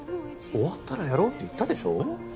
終わったらやろうって言ったでしょ